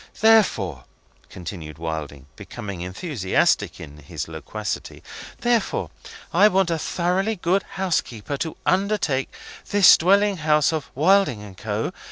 Therefore," continued Wilding, becoming enthusiastic in his loquacity, "therefore, I want a thoroughly good housekeeper to undertake this dwelling house of Wilding and Co.